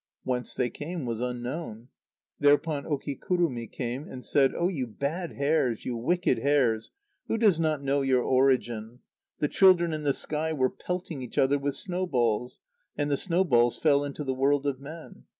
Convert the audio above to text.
Whence they came was unknown. Thereupon Okikurumi came and said: "Oh! you bad hares! you wicked hares! who does not know your origin? The children in the sky were pelting each other with snowballs, and the snowballs fell into the world of men.